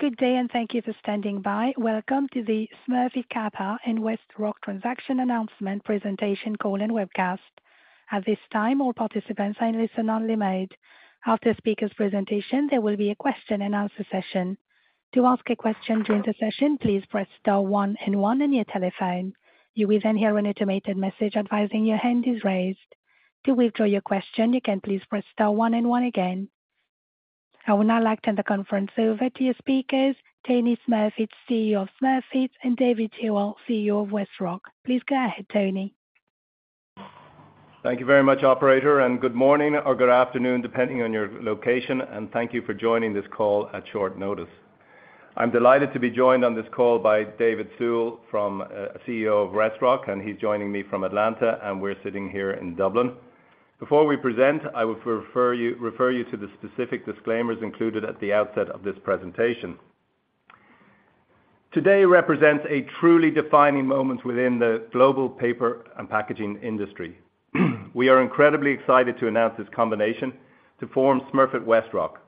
Good day, and thank you for standing by. Welcome to the Smurfit Kappa and WestRock Transaction Announcement Presentation Call and Webcast. At this time, all participants are in listen only mode. After the speaker's presentation, there will be a question and answer session. To ask a question during the session, please press star one and one on your telephone. You will then hear an automated message advising your hand is raised. To withdraw your question, you can please press star one and one again. I would now like to turn the conference over to your speakers, Tony Smurfit, CEO of Smurfit, and David Sewell, CEO of WestRock. Please go ahead, Tony. Thank you very much, operator, and good morning or good afternoon, depending on your location, and thank you for joining this call at short notice. I'm delighted to be joined on this call by David Sewell from, CEO of WestRock, and he's joining me from Atlanta, and we're sitting here in Dublin. Before we present, I would refer you, refer you to the specific disclaimers included at the outset of this presentation. Today represents a truly defining moment within the global paper and packaging industry. We are incredibly excited to announce this combination to form Smurfit Westrock,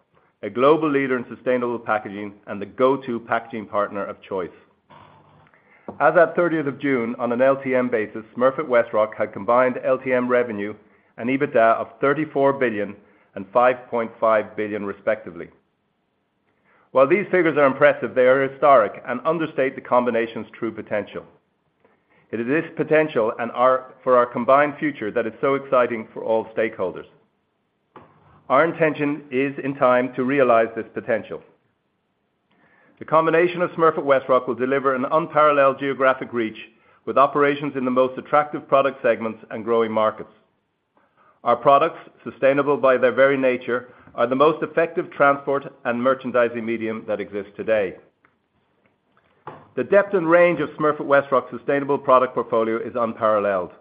a global leader in sustainable packaging and the go-to packaging partner of choice. As at 30th of June, on an LTM basis, Smurfit Westrock had combined LTM revenue and EBITDA of $34 billion and $5.5 billion, respectively. While these figures are impressive, they are historic and understate the combination's true potential. It is this potential and our combined future that is so exciting for all stakeholders. Our intention is, in time, to realize this potential. The combination of Smurfit Westrock will deliver an unparalleled geographic reach, with operations in the most attractive product segments and growing markets. Our products, sustainable by their very nature, are the most effective transport and merchandising medium that exists today. The depth and range of Smurfit Westrock's sustainable product portfolio is unparalleled.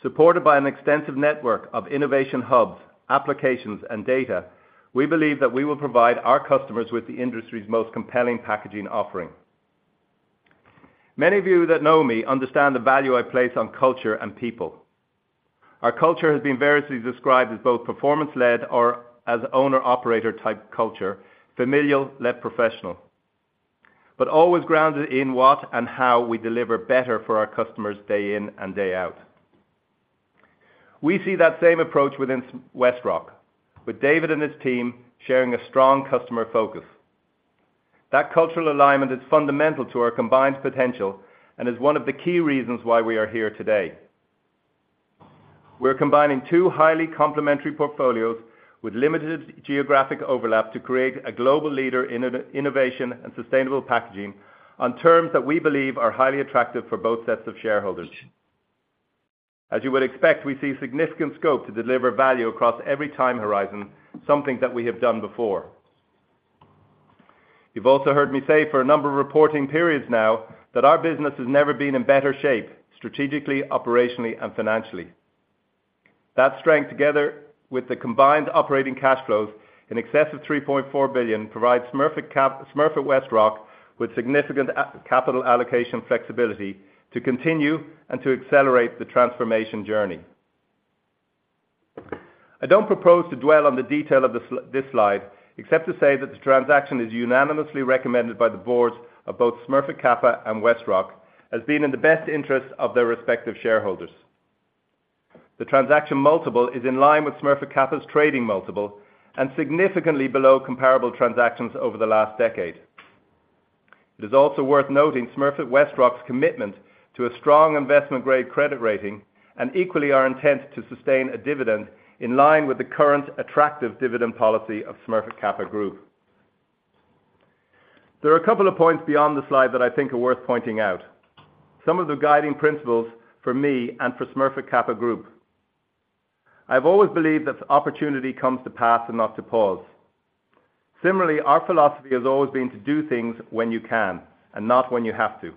Supported by an extensive network of innovation hubs, applications, and data, we believe that we will provide our customers with the industry's most compelling packaging offering. Many of you that know me understand the value I place on culture and people. Our culture has been variously described as both performance-led or as owner-operator type culture, familial-led professional, but always grounded in what and how we deliver better for our customers day in and day out. We see that same approach within WestRock, with David and his team sharing a strong customer focus. That cultural alignment is fundamental to our combined potential and is one of the key reasons why we are here today. We're combining two highly complementary portfolios with limited geographic overlap to create a global leader in innovation and sustainable packaging on terms that we believe are highly attractive for both sets of shareholders. As you would expect, we see significant scope to deliver value across every time horizon, something that we have done before. You've also heard me say for a number of reporting periods now that our business has never been in better shape, strategically, operationally, and financially. That strength, together with the combined operating cash flows in excess of $3.4 billion, provides Smurfit Kappa—Smurfit Westrock with significant capital allocation flexibility to continue and to accelerate the transformation journey. I don't propose to dwell on the detail of this slide, except to say that the transaction is unanimously recommended by the boards of both Smurfit Kappa and WestRock as being in the best interest of their respective shareholders. The transaction multiple is in line with Smurfit Kappa's trading multiple and significantly below comparable transactions over the last decade. It is also worth noting Smurfit Westrock's commitment to a strong investment-grade credit rating, and equally, our intent to sustain a dividend in line with the current attractive dividend policy of Smurfit Kappa Group. There are a couple of points beyond the slide that I think are worth pointing out, some of the guiding principles for me and for Smurfit Kappa Group. I've always believed that the opportunity comes to pass and not to pause. Similarly, our philosophy has always been to do things when you can and not when you have to.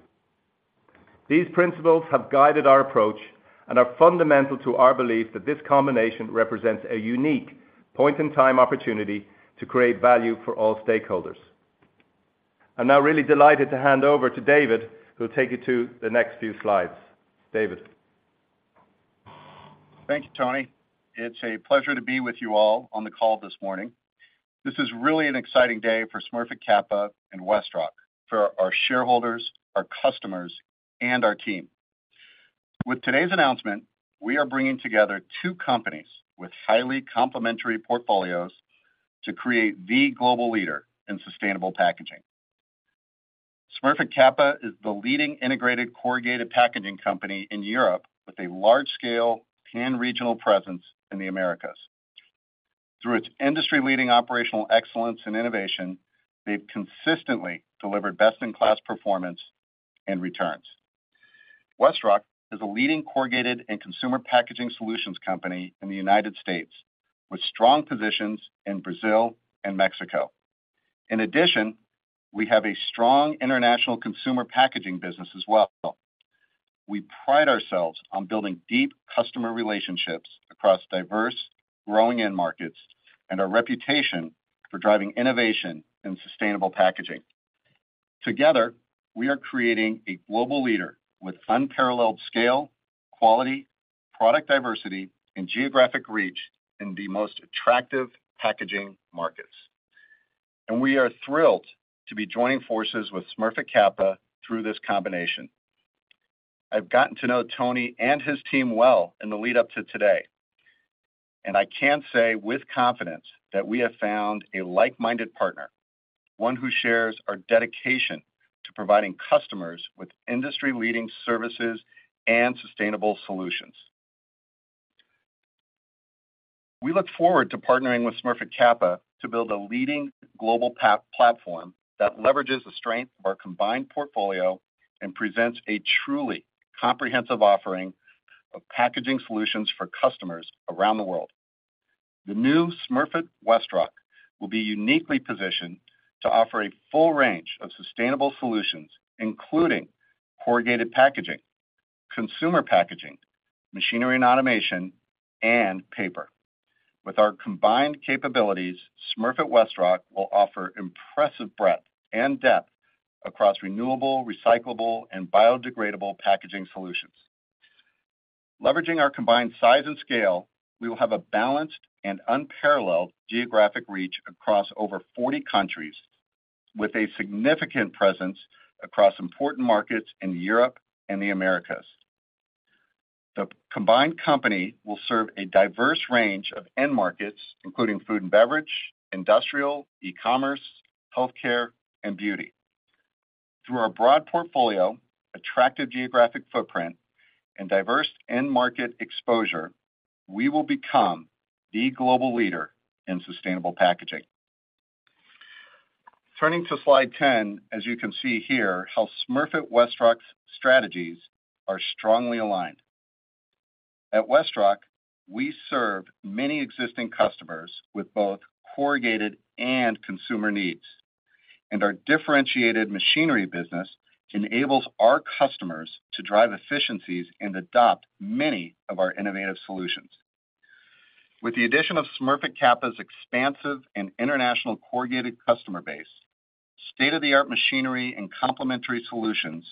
These principles have guided our approach and are fundamental to our belief that this combination represents a unique point-in-time opportunity to create value for all stakeholders. I'm now really delighted to hand over to David, who'll take you to the next few slides. David? Thank you, Tony. It's a pleasure to be with you all on the call this morning. This is really an exciting day for Smurfit Kappa and WestRock, for our shareholders, our customers, and our team. With today's announcement, we are bringing together two companies with highly complementary portfolios to create the global leader in sustainable packaging. Smurfit Kappa is the leading integrated corrugated packaging company in Europe, with a large-scale pan-regional presence in the Americas. Through its industry-leading operational excellence and innovation, they've consistently delivered best-in-class performance and returns. WestRock is a leading corrugated and consumer packaging solutions company in the United States, with strong positions in Brazil and Mexico. In addition, we have a strong international consumer packaging business as well. We pride ourselves on building deep customer relationships across diverse, growing end markets, and our reputation for driving innovation and sustainable packaging. Together, we are creating a global leader with unparalleled scale, quality, product diversity, and geographic reach in the most attractive packaging markets. And we are thrilled to be joining forces with Smurfit Kappa through this combination. I've gotten to know Tony and his team well in the lead-up to today, and I can say with confidence that we have found a like-minded partner, one who shares our dedication to providing customers with industry-leading services and sustainable solutions. We look forward to partnering with Smurfit Kappa to build a leading global platform that leverages the strength of our combined portfolio and presents a truly comprehensive offering of packaging solutions for customers around the world. The new Smurfit Westrock will be uniquely positioned to offer a full range of sustainable solutions, including corrugated packaging, consumer packaging, machinery and automation, and paper. With our combined capabilities, Smurfit Westrock will offer impressive breadth and depth across renewable, recyclable, and biodegradable packaging solutions. Leveraging our combined size and scale, we will have a balanced and unparalleled geographic reach across over 40 countries, with a significant presence across important markets in Europe and the Americas. The combined company will serve a diverse range of end markets, including food and beverage, industrial, e-commerce, healthcare, and beauty. Through our broad portfolio, attractive geographic footprint, and diverse end market exposure, we will become the global leader in sustainable packaging. Turning to slide 10, as you can see here, how Smurfit Westrock's strategies are strongly aligned. At WestRock, we serve many existing customers with both corrugated and consumer needs, and our differentiated machinery business enables our customers to drive efficiencies and adopt many of our innovative solutions. With the addition of Smurfit Kappa's expansive and international corrugated customer base, state-of-the-art machinery and complementary solutions,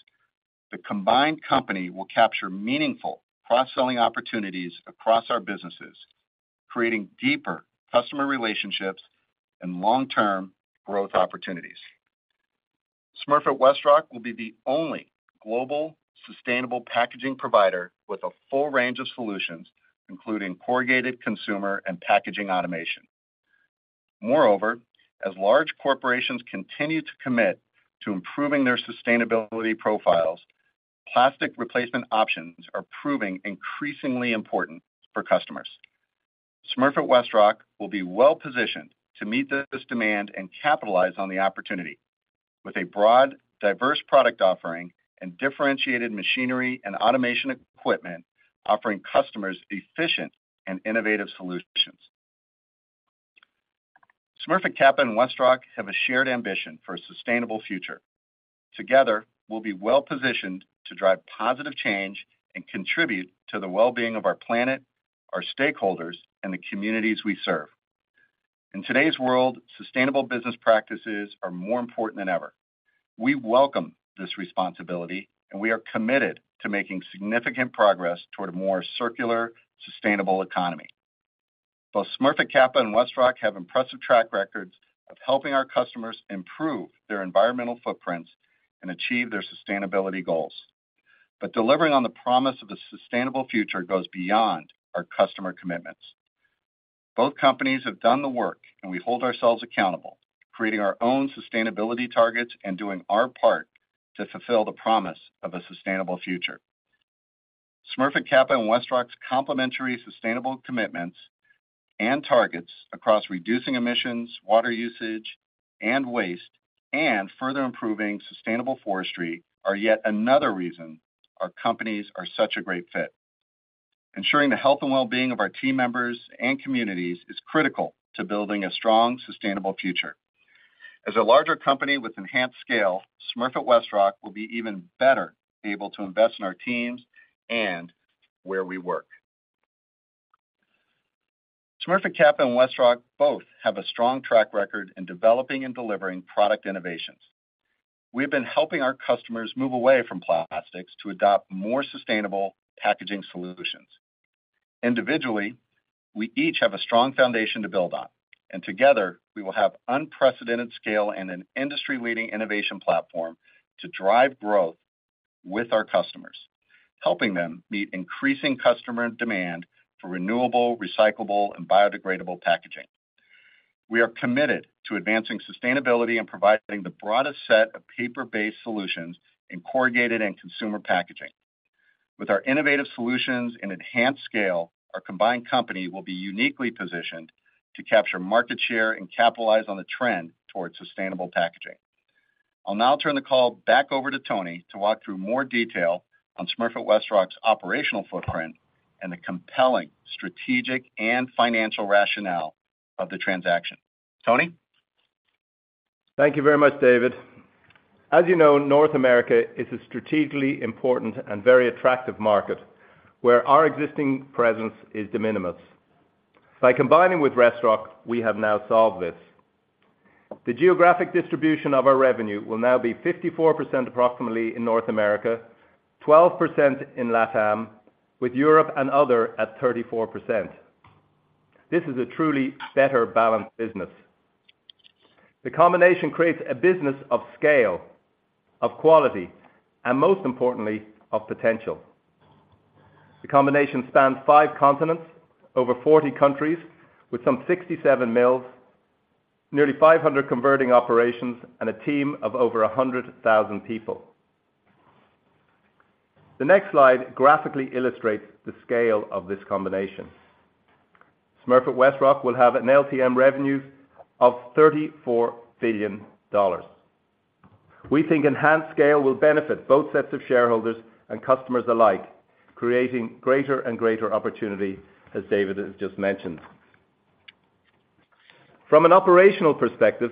the combined company will capture meaningful cross-selling opportunities across our businesses, creating deeper customer relationships and long-term growth opportunities. Smurfit Westrock will be the only global sustainable packaging provider with a full range of solutions, including corrugated, consumer, and packaging automation. Moreover, as large corporations continue to commit to improving their sustainability profiles, plastic replacement options are proving increasingly important for customers. Smurfit Westrock will be well-positioned to meet this demand and capitalize on the opportunity with a broad, diverse product offering and differentiated machinery and automation equipment, offering customers efficient and innovative solutions. Smurfit Kappa and WestRock have a shared ambition for a sustainable future. Together, we'll be well-positioned to drive positive change and contribute to the well-being of our planet, our stakeholders, and the communities we serve. In today's world, sustainable business practices are more important than ever. We welcome this responsibility, and we are committed to making significant progress toward a more circular, sustainable economy. Both Smurfit Kappa and WestRock have impressive track records of helping our customers improve their environmental footprints and achieve their sustainability goals. But delivering on the promise of a sustainable future goes beyond our customer commitments. Both companies have done the work, and we hold ourselves accountable, creating our own sustainability targets and doing our part to fulfill the promise of a sustainable future. Smurfit Kappa and WestRock's complementary sustainable commitments and targets across reducing emissions, water usage, and waste, and further improving sustainable forestry, are yet another reason our companies are such a great fit. Ensuring the health and well-being of our team members and communities is critical to building a strong, sustainable future. As a larger company with enhanced scale, Smurfit Westrock will be even better able to invest in our teams and where we work. Smurfit Kappa and WestRock both have a strong track record in developing and delivering product innovations. We have been helping our customers move away from plastics to adopt more sustainable packaging solutions. Individually, we each have a strong foundation to build on, and together, we will have unprecedented scale and an industry-leading innovation platform to drive growth with our customers, helping them meet increasing customer demand for renewable, recyclable, and biodegradable packaging. We are committed to advancing sustainability and providing the broadest set of paper-based solutions in corrugated and consumer packaging. With our innovative solutions and enhanced scale, our combined company will be uniquely positioned to capture market share and capitalize on the trend towards sustainable packaging. I'll now turn the call back over to Tony to walk through more detail on Smurfit Westrock's operational footprint and the compelling strategic and financial rationale of the transaction. Tony? Thank you very much, David. As you know, North America is a strategically important and very attractive market where our existing presence is de minimis. By combining with WestRock, we have now solved this. The geographic distribution of our revenue will now be 54% approximately in North America, 12% in LATAM, with Europe and other at 34%. This is a truly better balanced business. The combination creates a business of scale, of quality, and most importantly, of potential. The combination spans five continents, over 40 countries, with some 67 mills, nearly 500 converting operations, and a team of over 100,000 people. The next slide graphically illustrates the scale of this combination. Smurfit Westrock will have an LTM revenue of $34 billion. We think enhanced scale will benefit both sets of shareholders and customers alike, creating greater and greater opportunity, as David has just mentioned. From an operational perspective,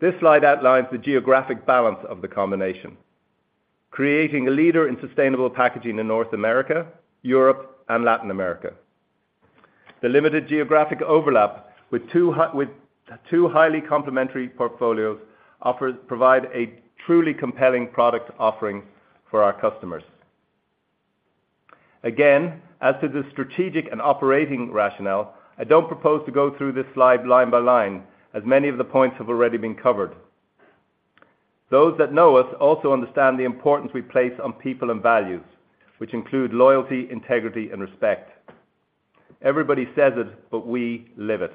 this slide outlines the geographic balance of the combination, creating a leader in sustainable packaging in North America, Europe, and Latin America. The limited geographic overlap with two highly complementary portfolios offers provide a truly compelling product offering for our customers. Again, as to the strategic and operating rationale, I don't propose to go through this slide line by line, as many of the points have already been covered. Those that know us also understand the importance we place on people and values, which include loyalty, integrity, and respect. Everybody says it, but we live it.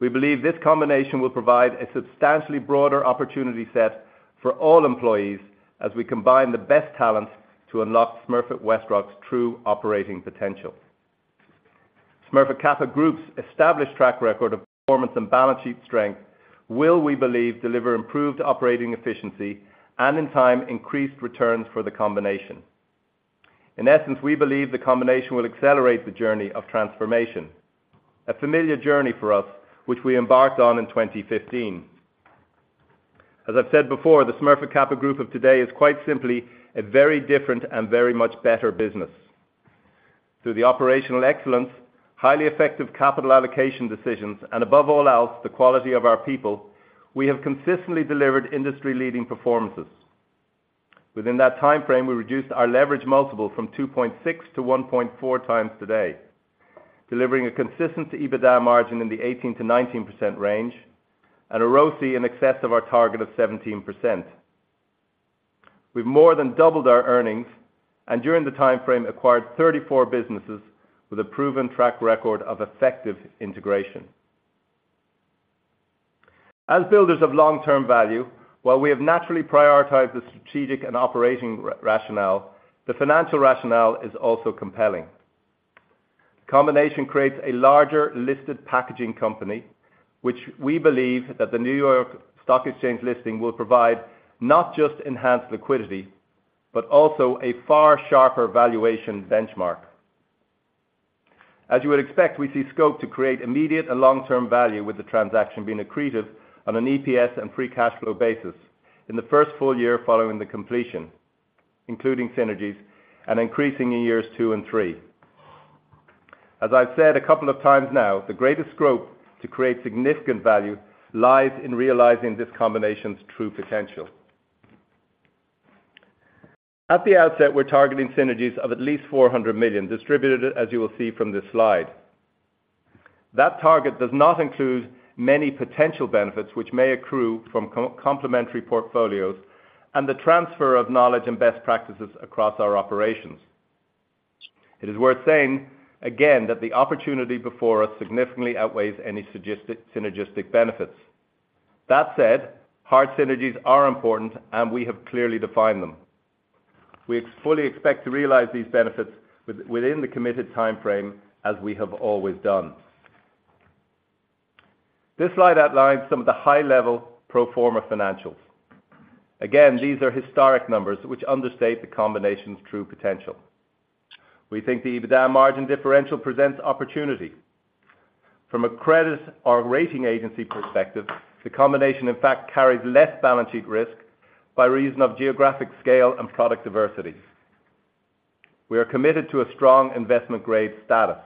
We believe this combination will provide a substantially broader opportunity set for all employees as we combine the best talents to unlock Smurfit Westrock's true operating potential. Smurfit Kappa Group's established track record of performance and balance sheet strength will, we believe, deliver improved operating efficiency and, in time, increased returns for the combination. In essence, we believe the combination will accelerate the journey of transformation, a familiar journey for us, which we embarked on in 2015. As I've said before, the Smurfit Kappa Group of today is quite simply a very different and very much better business. Through the operational excellence, highly effective capital allocation decisions, and above all else, the quality of our people, we have consistently delivered industry-leading performances. Within that timeframe, we reduced our leverage multiple from 2.6 to 1.4 times today, delivering a consistent EBITDA margin in the 18%-19% range and a ROCE in excess of our target of 17%. We've more than doubled our earnings, and during the timeframe, acquired 34 businesses with a proven track record of effective integration. As builders of long-term value, while we have naturally prioritized the strategic and operating rationale, the financial rationale is also compelling. Combination creates a larger listed packaging company, which we believe that the New York Stock Exchange listing will provide not just enhanced liquidity, but also a far sharper valuation benchmark. As you would expect, we see scope to create immediate and long-term value, with the transaction being accretive on an EPS and free cash flow basis in the first full year following the completion, including synergies and increasing in years two and three. As I've said a couple of times now, the greatest scope to create significant value lies in realizing this combination's true potential. At the outset, we're targeting synergies of at least $400 million, distributed, as you will see from this slide. That target does not include many potential benefits which may accrue from complementary portfolios and the transfer of knowledge and best practices across our operations. It is worth saying again that the opportunity before us significantly outweighs any synergistic benefits. That said, hard synergies are important, and we have clearly defined them. We fully expect to realize these benefits within the committed timeframe, as we have always done. This slide outlines some of the high-level pro forma financials. Again, these are historic numbers, which understate the combination's true potential. We think the EBITDA margin differential presents opportunity. From a credit or rating agency perspective, the combination, in fact, carries less balance sheet risk by reason of geographic scale and product diversity. We are committed to a strong investment-grade status.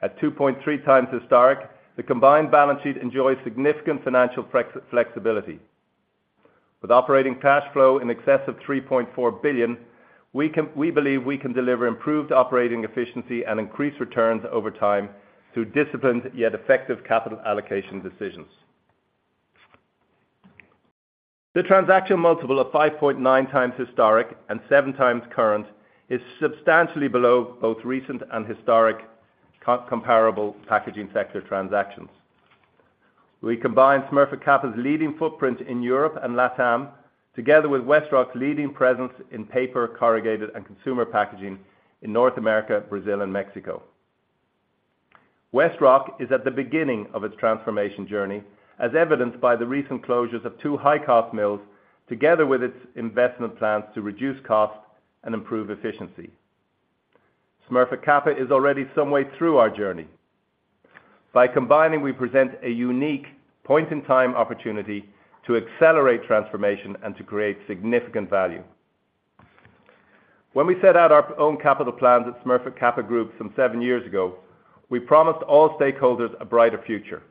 At 2.3 times historic, the combined balance sheet enjoys significant financial flexibility. With operating cash flow in excess of $3.4 billion, we believe we can deliver improved operating efficiency and increase returns over time through disciplined, yet effective capital allocation decisions. The transaction multiple of 5.9x historic and 7x current is substantially below both recent and historic comparable packaging sector transactions. We combine Smurfit Kappa's leading footprint in Europe and LATAM, together with WestRock's leading presence in paper, corrugated, and consumer packaging in North America, Brazil, and Mexico. WestRock is at the beginning of its transformation journey, as evidenced by the recent closures of two high-cost mills, together with its investment plans to reduce costs and improve efficiency. Smurfit Kappa is already some way through our journey. By combining, we present a unique point-in-time opportunity to accelerate transformation and to create significant value.... When we set out our own capital plans at Smurfit Kappa Group some seven years ago, we promised all stakeholders a brighter future.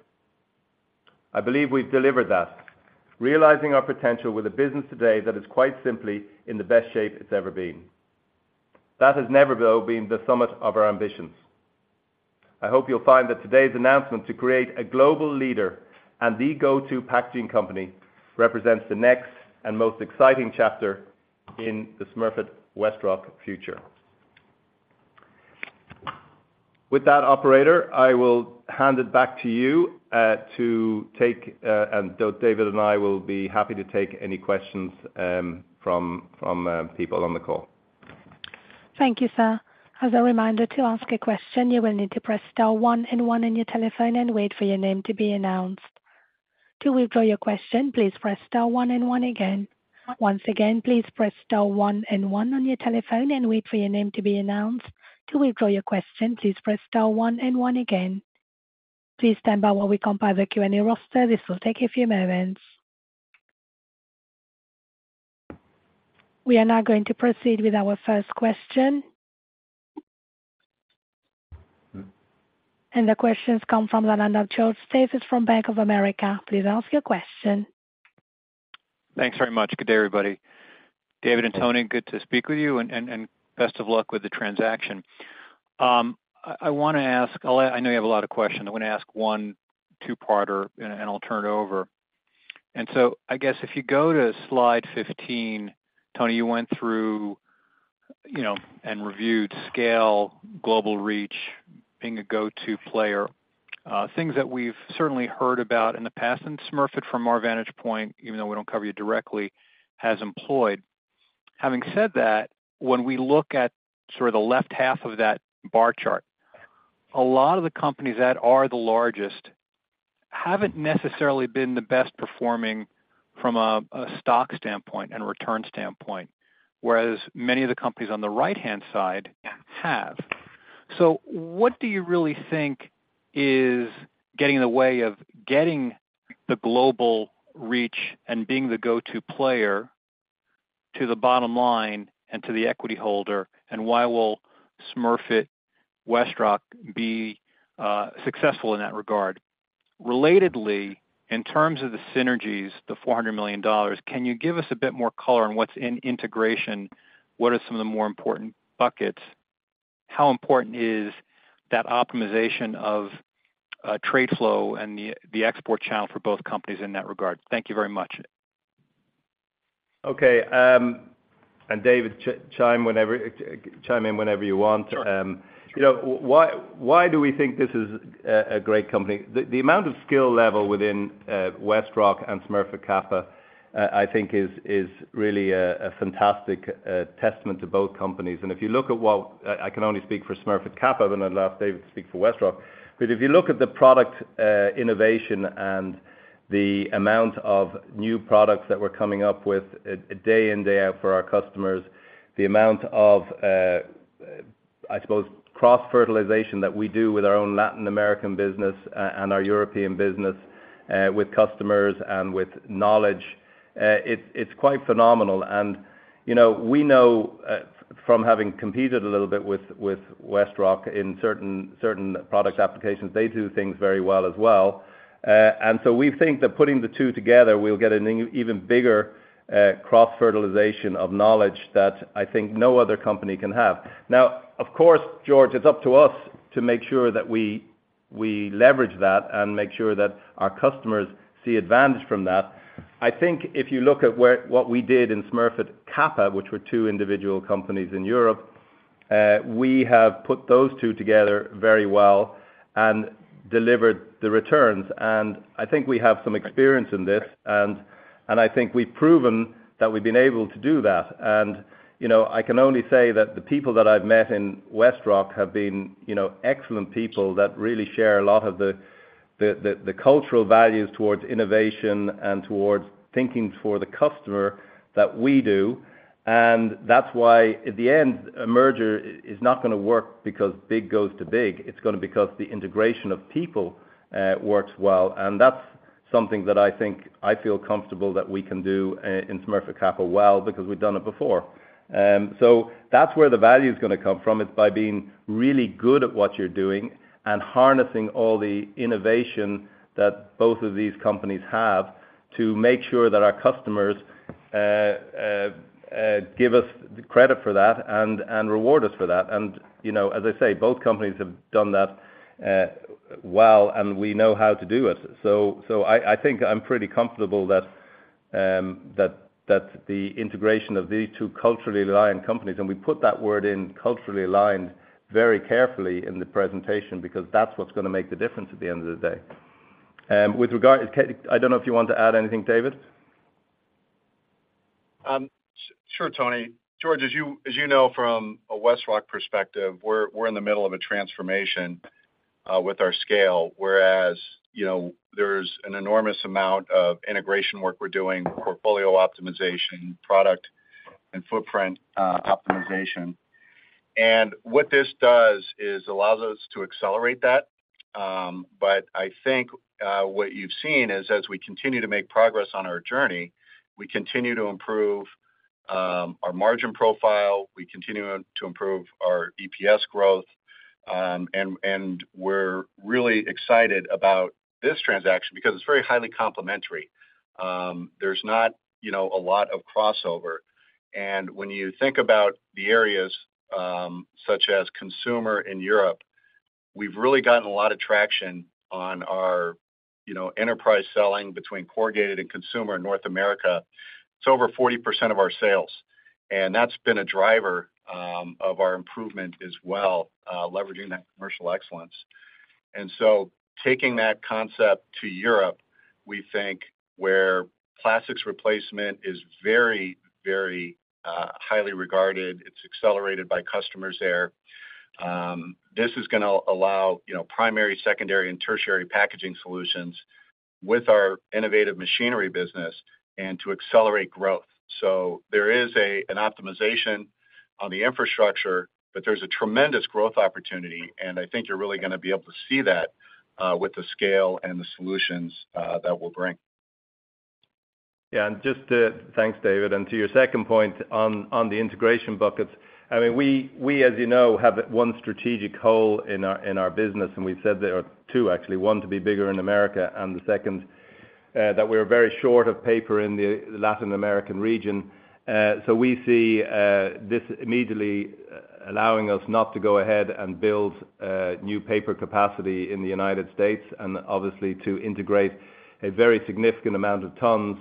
I believe we've delivered that, realizing our potential with a business today that is quite simply in the best shape it's ever been. That has never, though, been the summit of our ambitions. I hope you'll find that today's announcement to create a global leader and the go-to packaging company represents the next and most exciting chapter in the Smurfit Westrock future. With that, operator, I will hand it back to you, to take, and though David and I will be happy to take any questions, from people on the call. Thank you, sir. As a reminder, to ask a question, you will need to press star one and one on your telephone and wait for your name to be announced. To withdraw your question, please press star one and one again. Once again, please press star one and one on your telephone and wait for your name to be announced. To withdraw your question, please press star one and one again. Please stand by while we compile the Q&A roster. This will take a few moments. We are now going to proceed with our first question. The question comes from the line of George Staphos from Bank of America. Please ask your question. Thanks very much. Good day, everybody. David and Tony, good to speak with you and best of luck with the transaction. I wanna ask. I'll, I know you have a lot of questions. I wanna ask one two-parter and I'll turn it over. So I guess if you go to slide 15, Tony, you went through, you know, and reviewed scale, global reach, being a go-to player, things that we've certainly heard about in the past, and Smurfit, from our vantage point, even though we don't cover you directly, has employed. Having said that, when we look at sort of the left half of that bar chart, a lot of the companies that are the largest haven't necessarily been the best performing from a stock standpoint and return standpoint, whereas many of the companies on the right-hand side have. So what do you really think is getting in the way of getting the global reach and being the go-to player to the bottom line and to the equity holder? And why will Smurfit Westrock be successful in that regard? Relatedly, in terms of the synergies, the $400 million, can you give us a bit more color on what's in integration? What are some of the more important buckets? How important is that optimization of trade flow and the export channel for both companies in that regard? Thank you very much. Okay, and David, chime in whenever you want. Sure. You know, why do we think this is a great company? The amount of skill level within WestRock and Smurfit Kappa, I think is really a fantastic testament to both companies. And if you look at what... I can only speak for Smurfit Kappa, and I'd love David to speak for WestRock. But if you look at the product innovation and the amount of new products that we're coming up with day in, day out for our customers, the amount of, I suppose, cross-fertilization that we do with our own Latin American business and our European business with customers and with knowledge, it's quite phenomenal. And, you know, we know from having competed a little bit with WestRock in certain product applications, they do things very well as well. And so we think that putting the two together, we'll get an even bigger cross-fertilization of knowledge that I think no other company can have. Now, of course, George, it's up to us to make sure that we leverage that and make sure that our customers see advantage from that. I think if you look at what we did in Smurfit Kappa, which were two individual companies in Europe, we have put those two together very well and delivered the returns. And I think we have some experience in this, and I think we've proven that we've been able to do that. You know, I can only say that the people that I've met in WestRock have been, you know, excellent people that really share a lot of the cultural values towards innovation and towards thinking for the customer that we do. And that's why, in the end, a merger is not gonna work because big goes to big. It's gonna because the integration of people works well, and that's something that I think I feel comfortable that we can do in Smurfit Kappa well, because we've done it before. So that's where the value is gonna come from. It's by being really good at what you're doing and harnessing all the innovation that both of these companies have, to make sure that our customers give us the credit for that and reward us for that. You know, as I say, both companies have done that well, and we know how to do it. So, I think I'm pretty comfortable that the integration of these two culturally aligned companies, and we put that word in, culturally aligned, very carefully in the presentation, because that's what's gonna make the difference at the end of the day. With regard to... I don't know if you want to add anything, David? Sure, Tony. George, as you know from a WestRock perspective, we're in the middle of a transformation with our scale, whereas, you know, there's an enormous amount of integration work we're doing, portfolio optimization, product and footprint optimization. What this does is allows us to accelerate that. But I think what you've seen is as we continue to make progress on our journey, we continue to improve our margin profile, we continue to improve our EPS growth. And we're really excited about this transaction because it's very highly complementary. There's not, you know, a lot of crossover. And when you think about the areas such as consumer in Europe, we've really gotten a lot of traction on our, you know, enterprise selling between corrugated and consumer in North America. It's over 40% of our sales, and that's been a driver of our improvement as well, leveraging that commercial excellence. And so taking that concept to Europe, we think where plastics replacement is very, very highly regarded, it's accelerated by customers there. This is gonna allow, you know, primary, secondary, and tertiary packaging solutions with our innovative machinery business and to accelerate growth. So there is an optimization on the infrastructure, but there's a tremendous growth opportunity, and I think you're really gonna be able to see that with the scale and the solutions that we'll bring. Yeah, thanks, David. To your second point on the integration buckets, I mean, we, as you know, have one strategic goal in our business, and we've said there are two actually, one, to be bigger in America, and the second, that we are very short of paper in the Latin American region. So we see this immediately allowing us not to go ahead and build new paper capacity in the United States, and obviously to integrate a very significant amount of tons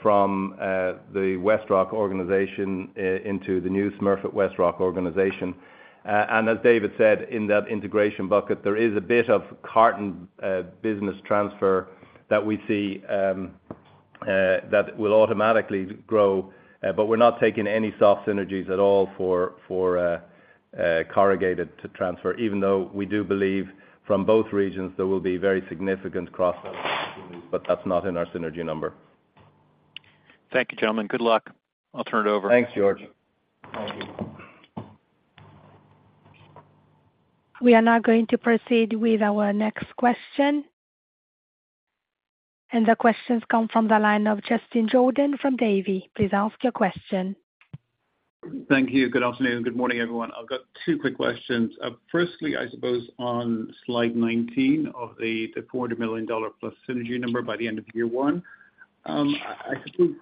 from the WestRock organization into the new Smurfit Westrock organization. And as David said, in that integration bucket, there is a bit of carton business transfer that we see that will automatically grow. But we're not taking any soft synergies at all for corrugated to transfer, even though we do believe from both regions, there will be very significant cross sell, but that's not in our synergy number. Thank you, gentlemen. Good luck. I'll turn it over. Thanks, George. Thank you. We are now going to proceed with our next question. The questions come from the line of Justin Jordan from Davy. Please ask your question. Thank you. Good afternoon and good morning, everyone. I've got two quick questions. Firstly, I suppose on slide 19 of the $400 million plus synergy number by the end of year one. I believe,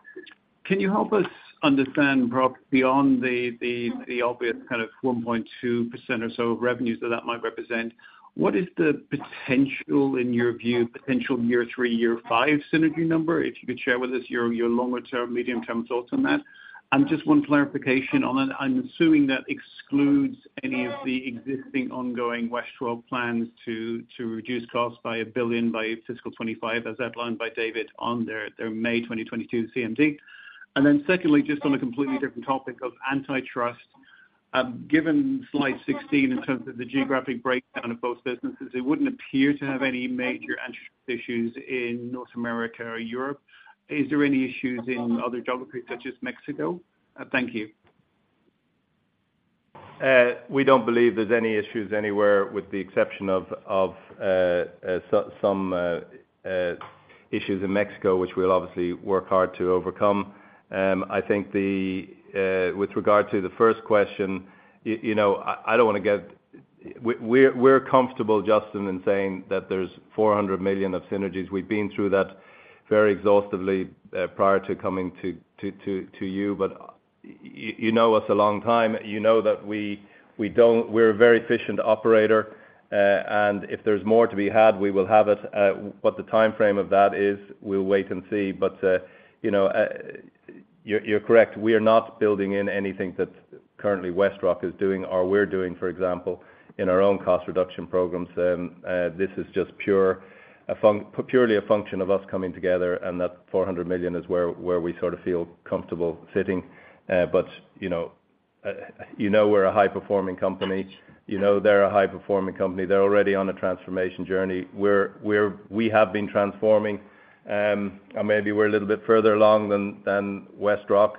can you help us understand perhaps beyond the obvious kind of 1.2% or so of revenues that might represent, what is the potential, in your view, potential year three, year five synergy number? If you could share with us your longer term, medium-term thoughts on that. And just one clarification on that. I'm assuming that excludes any of the existing ongoing WestRock plans to reduce costs by $1 billion by fiscal 2025, as outlined by David on their May 2022 CMD. And then secondly, just on a completely different topic of antitrust, given slide 16 in terms of the geographic breakdown of both businesses, it wouldn't appear to have any major antitrust issues in North America or Europe. Is there any issues in other geographies such as Mexico? Thank you. We don't believe there's any issues anywhere, with the exception of some issues in Mexico, which we'll obviously work hard to overcome. I think with regard to the first question, you know, I don't wanna get... We're comfortable, Justin, in saying that there's $400 million of synergies. We've been through that very exhaustively prior to coming to you, but you know us a long time. You know that we don't. We're a very efficient operator, and if there's more to be had, we will have it. What the timeframe of that is, we'll wait and see. But you know, you're correct. We are not building in anything that currently WestRock is doing or we're doing, for example, in our own cost reduction programs. This is just purely a function of us coming together, and that $400 million is where we sort of feel comfortable sitting. But, you know, you know we're a high-performing company. You know they're a high-performing company. They're already on a transformation journey, where we have been transforming, and maybe we're a little bit further along than WestRock.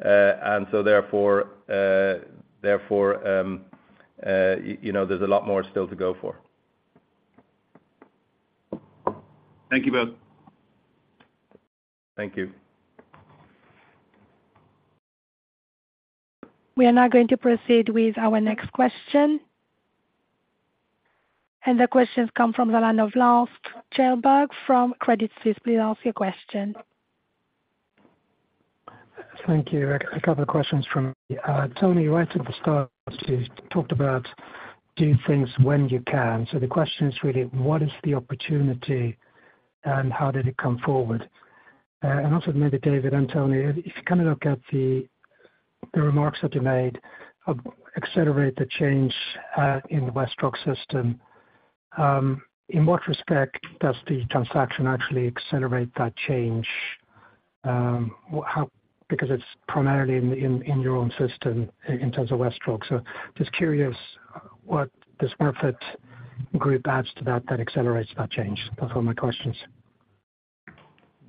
And so therefore, therefore, you know, there's a lot more still to go for. Thank you both. Thank you. We are now going to proceed with our next question. The questions come from the line of Lars Kjellberg from Credit Suisse. Please ask your question. Thank you. A couple of questions from me. Tony, right at the start, you talked about do things when you can. So the question is really, what is the opportunity and how did it come forward? And also maybe David and Tony, if you kind of look at the remarks that you made, accelerate the change in the WestRock system, in what respect does the transaction actually accelerate that change? How... Because it's primarily in your own system in terms of WestRock. So just curious, what the Smurfit group adds to that, that accelerates that change? That's all my questions.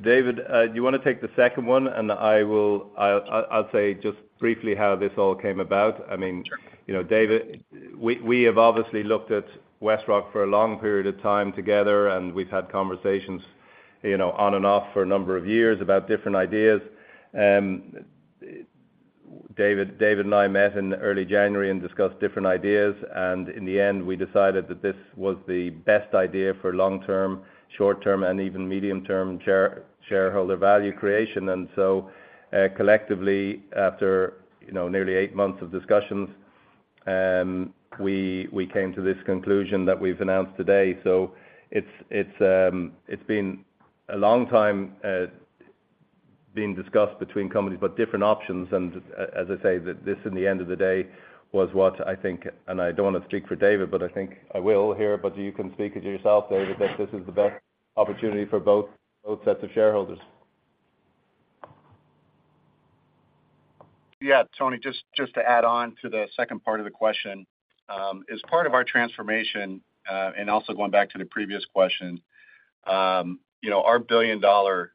David, do you want to take the second one? And I will, I'll say just briefly how this all came about. I mean- Sure. You know, David, we have obviously looked at WestRock for a long period of time together, and we've had conversations, you know, on and off for a number of years about different ideas. David and I met in early January and discussed different ideas, and in the end, we decided that this was the best idea for long-term, short-term, and even medium-term shareholder value creation. So collectively, after you know, nearly eight months of discussions, we came to this conclusion that we've announced today. It's been a long time being discussed between companies, but different options. As I say, this, in the end of the day, was what I think, and I don't want to speak for David, but I think I will here, but you can speak it yourself, David, that this is the best opportunity for both, both sets of shareholders. Yeah, Tony, just, just to add on to the second part of the question. As part of our transformation, and also going back to the previous question, you know, our billion-dollar,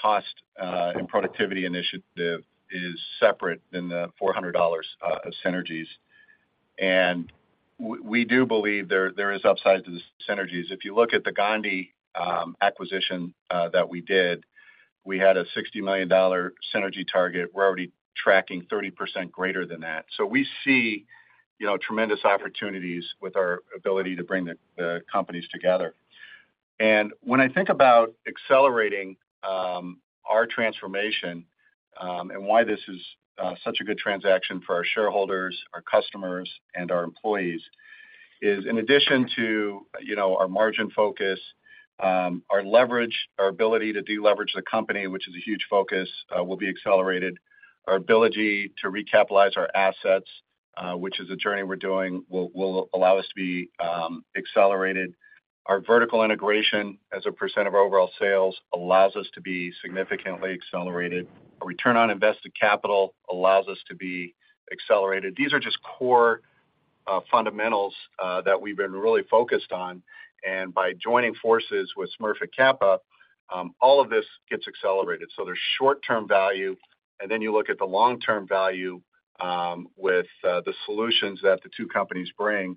cost, and productivity initiative is separate than the $400 of synergies. And we do believe there, there is upside to the synergies. If you look at the Gondi, acquisition, that we did, we had a $60 million synergy target. We're already tracking 30% greater than that. So we see, you know, tremendous opportunities with our ability to bring the, the companies together. When I think about accelerating our transformation, and why this is such a good transaction for our shareholders, our customers, and our employees, is in addition to, you know, our margin focus, our leverage, our ability to deleverage the company, which is a huge focus, will be accelerated. Our ability to recapitalize our assets, which is a journey we're doing, will allow us to be accelerated. Our vertical integration, as a percent of overall sales, allows us to be significantly accelerated. Our return on invested capital allows us to be accelerated. These are just core fundamentals that we've been really focused on, and by joining forces with Smurfit Kappa, all of this gets accelerated. So there's short-term value, and then you look at the long-term value with the solutions that the two companies bring.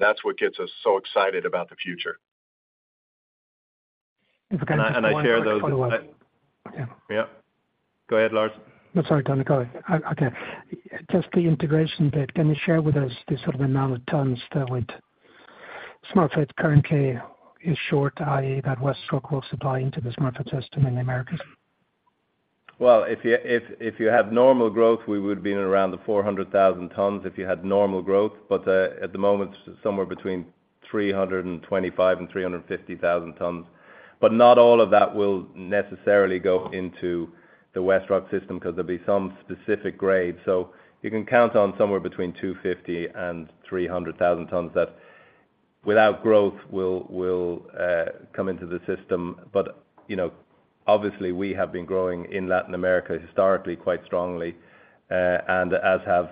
That's what gets us so excited about the future. If I can just- I share those- Follow up. Yeah. Go ahead, Lars. I'm sorry, Tony. Go ahead. Okay. Just the integration bit, can you share with us the sort of amount of tons that would Smurfit currently is short, i.e., that WestRock will supply into the Smurfit system in the Americas? Well, if you had normal growth, we would have been around the 400,000 tons, if you had normal growth. But at the moment, somewhere between 325,000 and 350,000 tons. But not all of that will necessarily go into the WestRock system because there'll be some specific grades. So you can count on somewhere between 250,000 and 300,000 tons, that without growth, will come into the system. But you know, obviously, we have been growing in Latin America, historically, quite strongly, and as have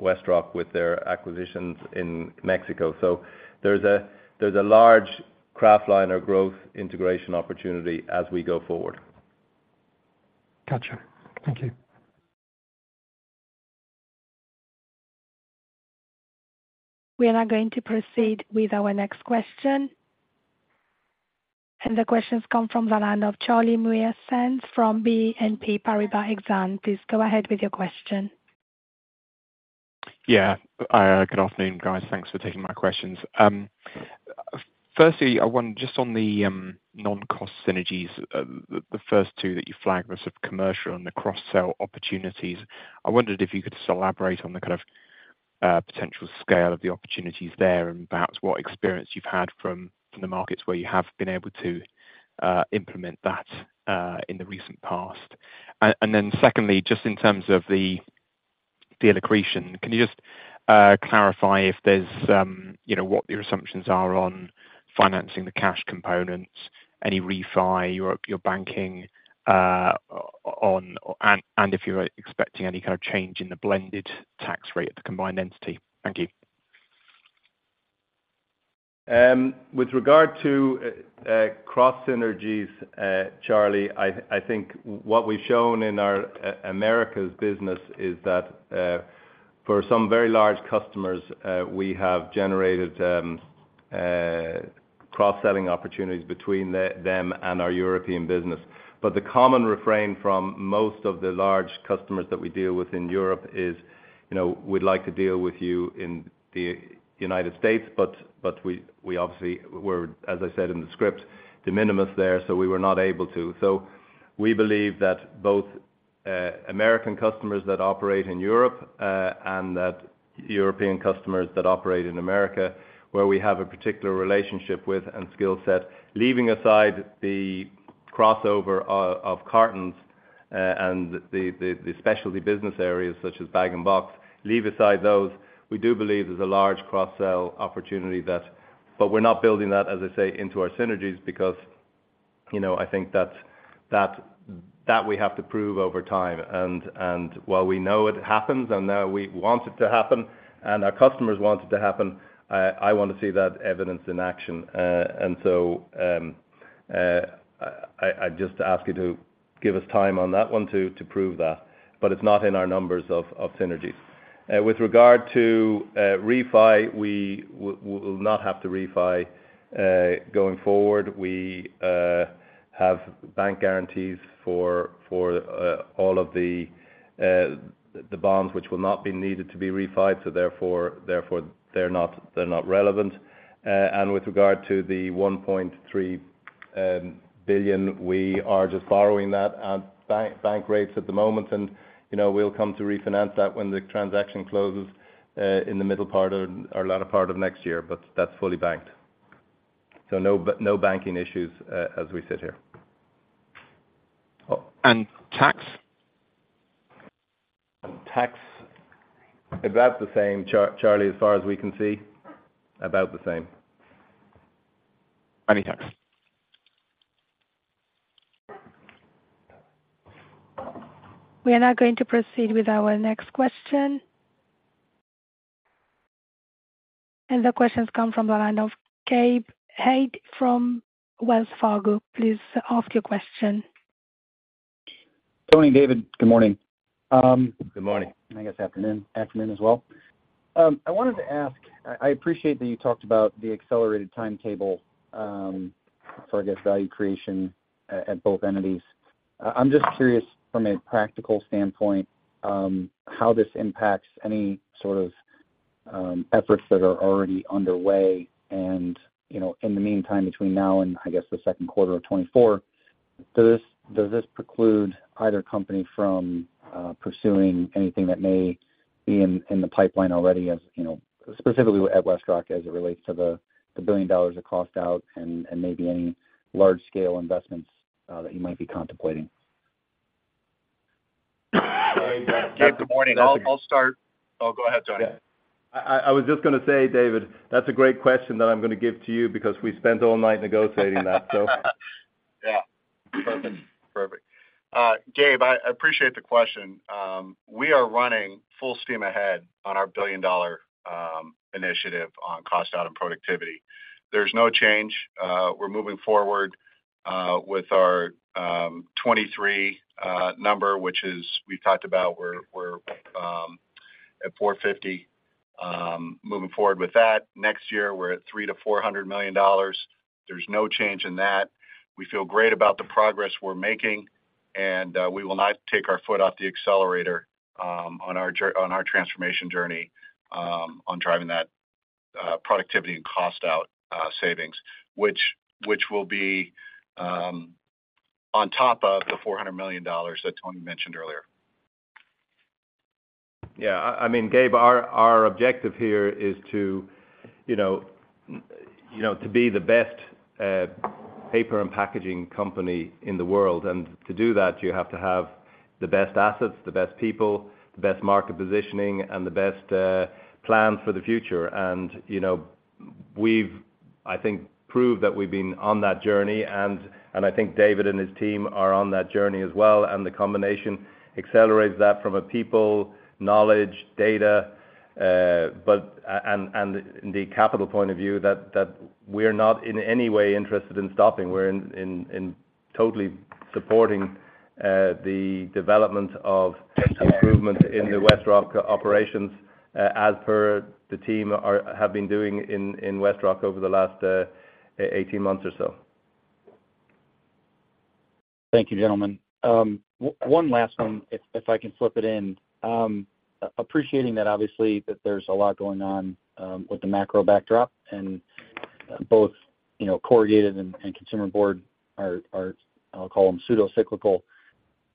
WestRock with their acquisitions in Mexico. So there's a large kraftliner growth integration opportunity as we go forward. Gotcha. Thank you. We are now going to proceed with our next question. The question's come from the line of Charlie Muir-Sands from BNP Paribas Exane. Please go ahead with your question. Yeah, good afternoon, guys. Thanks for taking my questions. Firstly, I wonder, just on the non-cost synergies, the first two that you flagged were sort of commercial and the cross-sell opportunities. I wondered if you could elaborate on the kind of potential scale of the opportunities there, and perhaps what experience you've had from the markets where you have been able to implement that in the recent past. And then secondly, just in terms of the accretion, can you just clarify if there's you know, what your assumptions are on financing the cash components, any refi, your banking on, and if you're expecting any kind of change in the blended tax rate at the combined entity? Thank you. With regard to cross synergies, Charlie, I think what we've shown in our America's business is that for some very large customers, we have generated cross-selling opportunities between them and our European business. But the common refrain from most of the large customers that we deal with in Europe is, you know, we'd like to deal with you in the United States, but we obviously we're, as I said in the script, de minimis there, so we were not able to. So we believe that both American customers that operate in Europe and that European customers that operate in America, where we have a particular relationship with and skill set, leaving aside the crossover of cartons and the specialty business areas such as Bag-in-Box, leave aside those, we do believe there's a large cross-sell opportunity that. But we're not building that, as I say, into our synergies because, you know, I think that we have to prove over time. And while we know it happens, and we want it to happen, and our customers want it to happen, I want to see that evidence in action. And so I just ask you to give us time on that one to prove that, but it's not in our numbers of synergies. With regard to refi, we will not have to refi going forward. We have bank guarantees for all of the bonds, which will not be needed to be refinanced. So therefore, they're not relevant. And with regard to the $1.3 billion, we are just borrowing that at bank rates at the moment, and, you know, we'll come to refinance that when the transaction closes in the middle part or latter part of next year, but that's fully banked. So no banking issues as we sit here. And tax? Tax, about the same, Charlie, as far as we can see? About the same. Any tax. We are now going to proceed with our next question. The question comes from the line of Gabe Hajde from Wells Fargo. Please ask your question. Tony, David, good morning. Good morning. I guess afternoon, afternoon as well. I wanted to ask. I appreciate that you talked about the accelerated timetable, so I guess value creation at both entities. I'm just curious from a practical standpoint, how this impacts any sort of efforts that are already underway. You know, in the meantime, between now and I guess, the second quarter of 2024, does this preclude either company from pursuing anything that may be in the pipeline already, as you know, specifically at WestRock as it relates to the $1 billion of cost out and maybe any large scale investments that you might be contemplating? Good morning. I'll start. Oh, go ahead, Tony. I was just gonna say, David, that's a great question that I'm gonna give to you because we spent all night negotiating that, so. Yeah. Perfect. Perfect. Gabe, I appreciate the question. We are running full steam ahead on our billion-dollar initiative on cost out and productivity. There's no change. We're moving forward with our 2023 number, which we've talked about. We're at $450 million. Moving forward with that. Next year, we're at $300 million-$400 million. There's no change in that. We feel great about the progress we're making, and we will not take our foot off the accelerator on our transformation journey on driving that productivity and cost out savings, which will be on top of the $400 million that Tony mentioned earlier. Yeah. I mean, Gabe, our objective here is to, you know, you know, to be the best paper and packaging company in the world. And to do that, you have to have the best assets, the best people, the best market positioning, and the best plan for the future. And, you know, we've, I think, proved that we've been on that journey, and I think David and his team are on that journey as well, and the combination accelerates that from a people, knowledge, data, but and the capital point of view that we're not in any way interested in stopping. We're in totally supporting the development of improvement in the WestRock operations, as per the team have been doing in WestRock over the last 18 months or so. Thank you, gentlemen. One last one, if I can slip it in. Appreciating that obviously, that there's a lot going on, with the macro backdrop, and both, you know, corrugated and consumer board are, I'll call them pseudo cyclical.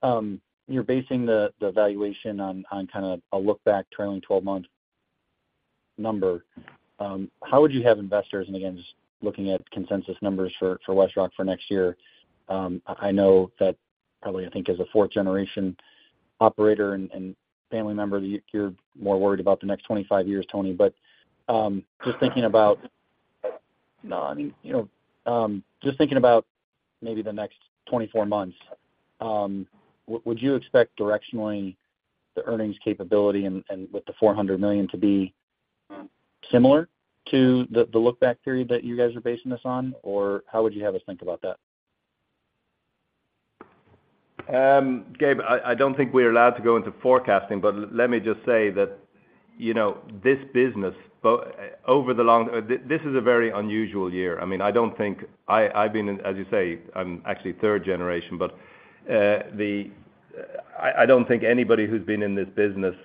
You're basing the valuation on kind of a look back trailing 12-month number. How would you have investors, and again, just looking at consensus numbers for WestRock for next year, I know that probably, I think as a fourth-generation operator and family member, you're more worried about the next 25 years, Tony. But, just thinking about, I mean, you know, just thinking about maybe the next 24 months, would you expect directionally the earnings capability and with the $400 million to be similar to the look back theory that you guys are basing this on? Or how would you have us think about that? Gabe, I don't think we're allowed to go into forecasting, but let me just say that, you know, this business, over the long... This is a very unusual year. I mean, I don't think, I've been, as you say, I'm actually third generation, but, I don't think anybody who's been in this business,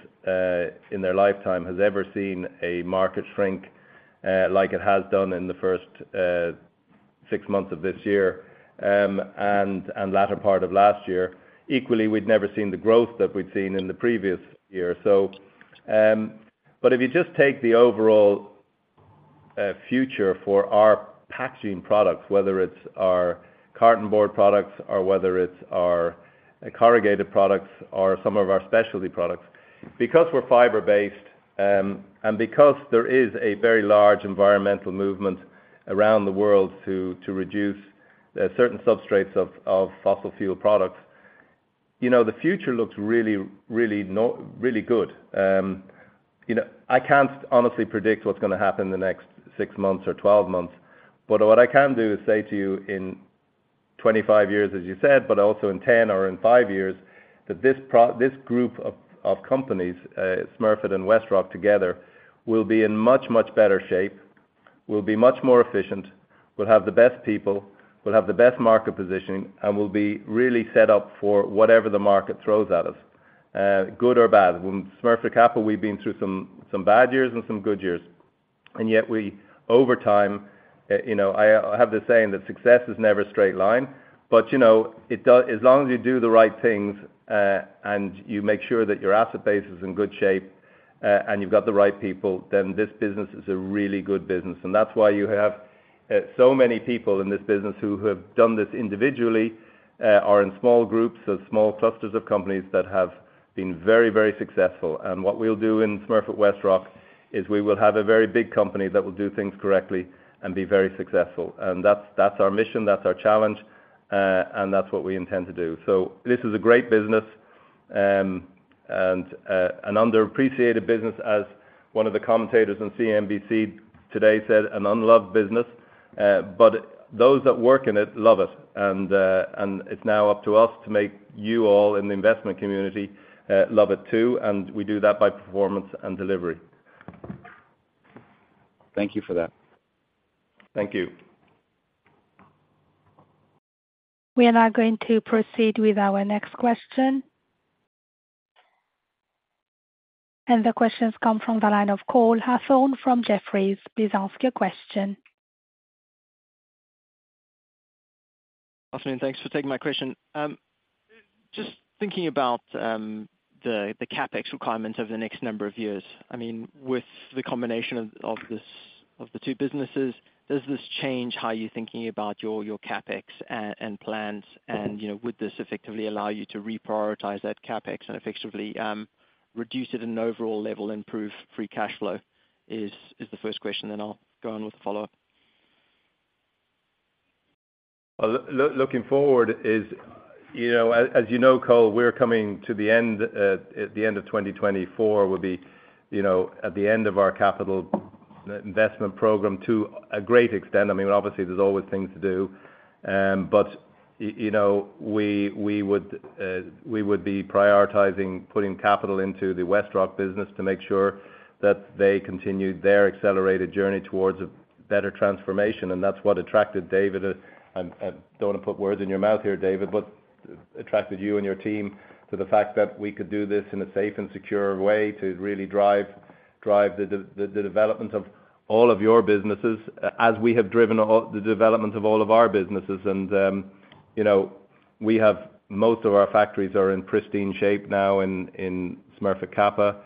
in their lifetime has ever seen a market shrink, like it has done in the first six months of this year, and, and latter part of last year. Equally, we'd never seen the growth that we'd seen in the previous year. So, but if you just take the overall, future for our packaging products, whether it's our carton board products or whether it's our corrugated products or some of our specialty products. Because we're fiber-based, and because there is a very large environmental movement around the world to reduce certain substrates of fossil fuel products, you know, the future looks really, really good. You know, I can't honestly predict what's gonna happen in the next six months or 12 months, but what I can do is say to you in 25 years, as you said, but also in 10 or in five years, that this group of companies, Smurfit and WestRock together, will be in much, much better shape, will be much more efficient, will have the best people, will have the best market positioning, and will be really set up for whatever the market throws at us, good or bad. When Smurfit Kappa, we've been through some bad years and some good years, and yet we over time, you know, I have the saying that success is never a straight line. But, you know, as long as you do the right things, and you make sure that your asset base is in good shape, and you've got the right people, then this business is a really good business. And that's why you have so many people in this business who have done this individually, are in small groups or small clusters of companies that have been very, very successful. And what we'll do in Smurfit Westrock is we will have a very big company that will do things correctly and be very successful. And that's our mission, that's our challenge, and that's what we intend to do. So this is a great business, and an underappreciated business as one of the commentators on CNBC today said, "An unloved business." But those that work in it love it. And it's now up to us to make you all in the investment community love it too, and we do that by performance and delivery. Thank you for that. Thank you. We are now going to proceed with our next question. The question has come from the line of Cole Hathorn from Jefferies. Please ask your question. Afternoon, thanks for taking my question. Just thinking about the CapEx requirements over the next number of years. I mean, with the combination of the two businesses, does this change how you're thinking about your CapEx and plans? And, you know, would this effectively allow you to reprioritize that CapEx and effectively reduce it in an overall level, improve free cash flow? Is the first question, then I'll go on with the follow-up. Well, looking forward is, you know, as you know, Cole, we're coming to the end, at the end of 2024, we'll be, you know, at the end of our capital investment program, to a great extent. I mean, obviously, there's always things to do. But you know, we, we would be prioritizing putting capital into the WestRock business to make sure that they continue their accelerated journey towards a better transformation. And that's what attracted David, I don't wanna put words in your mouth here, David, but attracted you and your team to the fact that we could do this in a safe and secure way to really drive the development of all of your businesses, as we have driven all the development of all of our businesses. You know, we have most of our factories are in pristine shape now in Smurfit Kappa.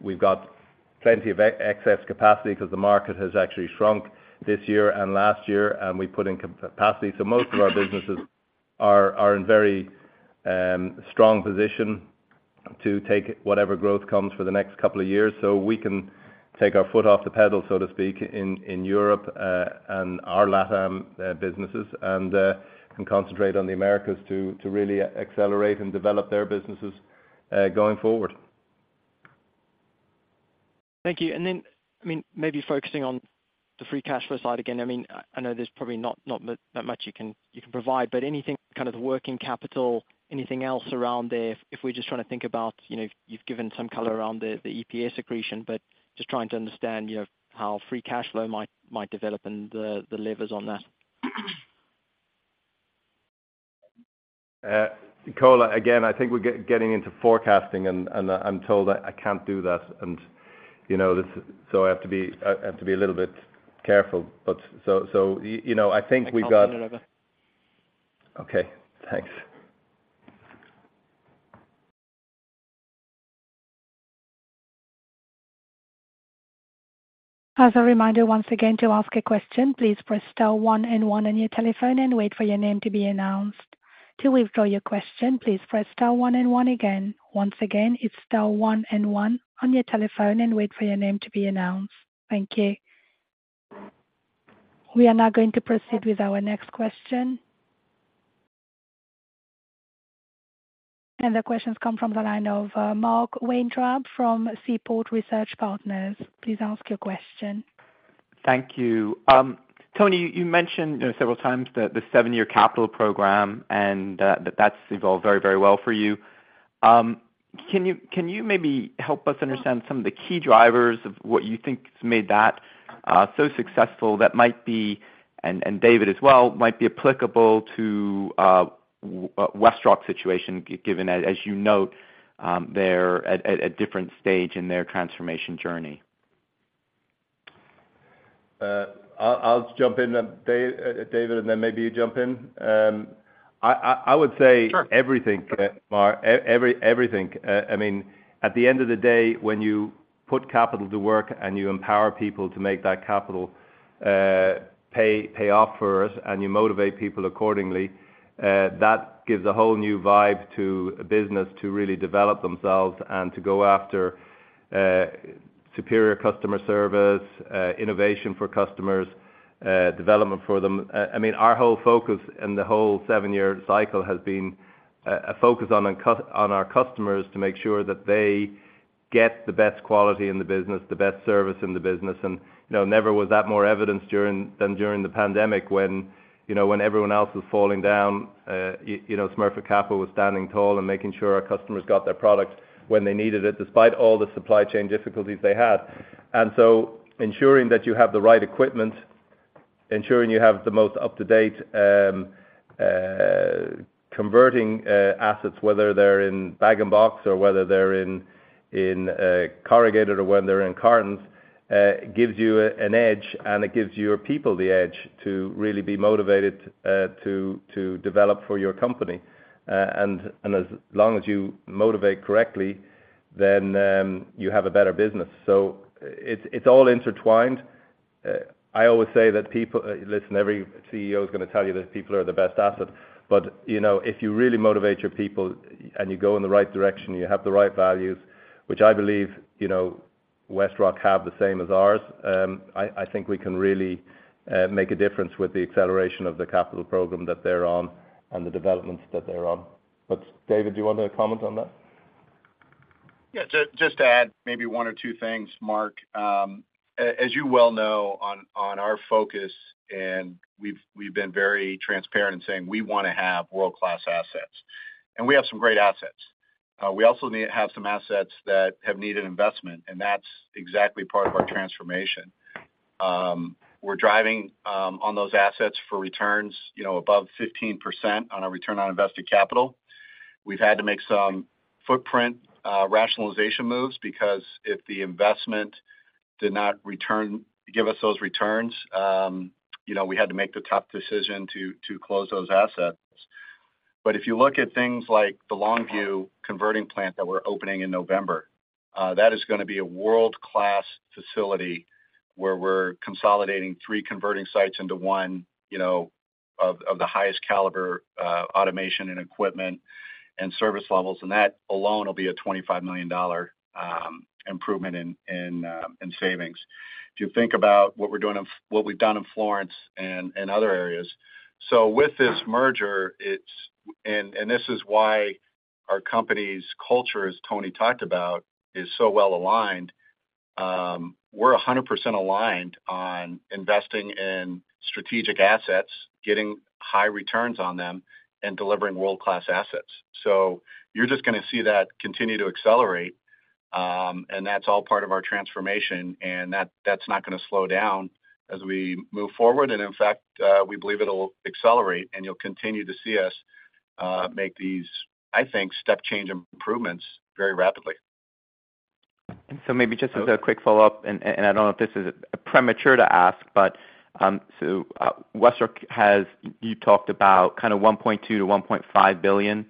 We've got plenty of excess capacity because the market has actually shrunk this year and last year, and we put in capacity. So most of our businesses are in very strong position to take whatever growth comes for the next couple of years. So we can take our foot off the pedal, so to speak, in Europe and our LATAM businesses, and concentrate on the Americas to really accelerate and develop their businesses going forward. Thank you. And then, I mean, maybe focusing on the free cash flow side again, I mean, I know there's probably not, not that, that much you can, you can provide, but anything kind of the working capital, anything else around there? If we're just trying to think about, you know, you've given some color around the, the EBITDA accretion, but just trying to understand, you know, how free cash flow might, might develop and the, the levers on that. Cole, again, I think we're getting into forecasting, and, I'm told I can't do that. And, you know, this... So I have to be, I have to be a little bit careful. But so, so, you know, I think we got- I'll turn it over. Okay, thanks. As a reminder, once again, to ask a question, please press star one and one on your telephone and wait for your name to be announced. To withdraw your question, please press star one and one again. Once again, it's star one and one on your telephone and wait for your name to be announced. Thank you. We are now going to proceed with our next question. And the question's come from the line of Mark Weintraub from Seaport Research Partners. Please ask your question. Thank you. Tony, you mentioned, you know, several times the seven-year capital program and, that that's evolved very, very well for you. Can you maybe help us understand some of the key drivers of what you think has made that so successful, that might be, and David as well, might be applicable to WestRock situation, given as, as you note, they're at a different stage in their transformation journey? I'll jump in then, David, and then maybe you jump in. I would say- Sure. Everything, Mark. Everything. I mean, at the end of the day, when you put capital to work, and you empower people to make that capital pay off for us, and you motivate people accordingly, that gives a whole new vibe to a business to really develop themselves and to go after superior customer service, innovation for customers, development for them. I mean, our whole focus in the whole seven-year cycle has been a focus on our customers to make sure that they get the best quality in the business, the best service in the business. You know, never was that more evidenced during the pandemic than during the pandemic when, you know, when everyone else was falling down, you know, Smurfit Kappa was standing tall and making sure our customers got their product when they needed it, despite all the supply chain difficulties they had. And so ensuring that you have the right equipment, ensuring you have the most up-to-date converting assets, whether they're in Bag-in-Box or whether they're in corrugated or whether they're in cartons, gives you an edge, and it gives your people the edge to really be motivated to develop for your company. And as long as you motivate correctly, then you have a better business. So it's all intertwined. I always say that people—listen, every CEO is gonna tell you that people are the best asset. But, you know, if you really motivate your people, and you go in the right direction, you have the right values, which I believe, you know, WestRock have the same as ours, I think we can really make a difference with the acceleration of the capital program that they're on and the developments that they're on. But, David, do you want to comment on that? Yeah. Just to add maybe one or two things, Mark. As you well know, on our focus, and we've been very transparent in saying we wanna have world-class assets. We have some great assets. We also have some assets that have needed investment, and that's exactly part of our transformation. We're driving on those assets for returns, you know, above 15% on our return on invested capital. We've had to make some footprint rationalization moves because if the investment did not return, give us those returns, you know, we had to make the tough decision to close those assets. But if you look at things like the Longview converting plant that we're opening in November, that is gonna be a world-class facility where we're consolidating three converting sites into one, you know, of the highest caliber, automation and equipment and service levels, and that alone will be a $25 million improvement in savings. If you think about what we're doing in what we've done in Florence and other areas. So with this merger, it's. And this is why our company's culture, as Tony talked about, is so well aligned. We're 100% aligned on investing in strategic assets, getting high returns on them, and delivering world-class assets. So you're just gonna see that continue to accelerate, and that's all part of our transformation, and that, that's not gonna slow down as we move forward. In fact, we believe it'll accelerate, and you'll continue to see us make these, I think, step change improvements very rapidly. So maybe just as a quick follow-up, I don't know if this is premature to ask, but so WestRock has you talked about kind of $1.2 billion-$1.5 billion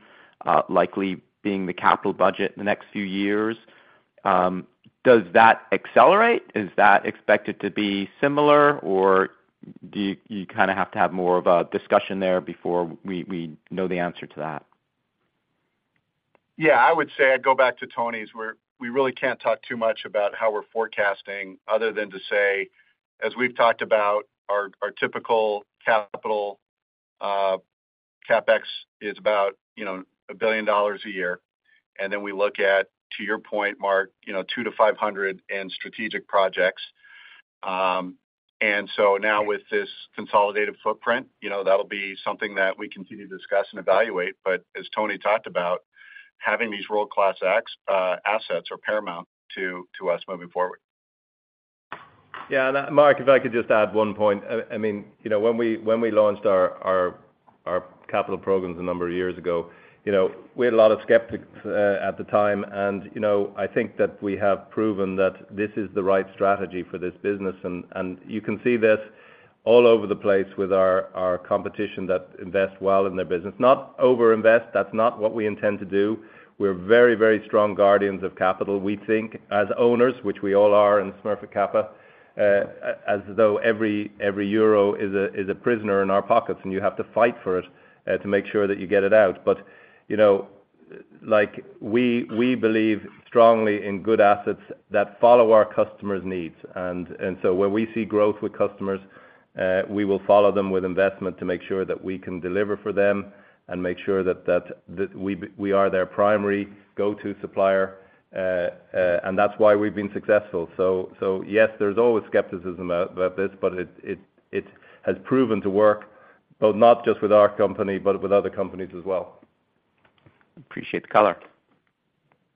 likely being the capital budget in the next few years. Does that accelerate? Is that expected to be similar, or do you kind of have to have more of a discussion there before we know the answer to that? Yeah, I would say I'd go back to Tony's, where we really can't talk too much about how we're forecasting other than to say, as we've talked about, our typical capital CapEx is about, you know, $1 billion a year. Then we look at, to your point, Mark, you know, $200 million-$500 million in strategic projects. So now with this consolidated footprint, you know, that'll be something that we continue to discuss and evaluate. But as Tony talked about, having these world-class assets are paramount to us moving forward. Yeah, and, Mark, if I could just add one point. I mean, you know, when we launched our capital programs a number of years ago, you know, we had a lot of skeptics at the time. And, you know, I think that we have proven that this is the right strategy for this business, and you can see this all over the place with our competition that invest well in their business. Not overinvest. That's not what we intend to do. We're very, very strong guardians of capital. We think as owners, which we all are in Smurfit Kappa, as though every euro is a prisoner in our pockets, and you have to fight for it to make sure that you get it out. You know, like, we believe strongly in good assets that follow our customers' needs. And so when we see growth with customers, we will follow them with investment to make sure that we can deliver for them and make sure that we are their primary go-to supplier. And that's why we've been successful. So, yes, there's always skepticism out about this, but it has proven to work, both not just with our company, but with other companies as well. Appreciate the color.